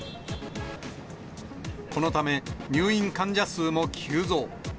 このため、入院患者数も急増。